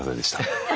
ハハハハ！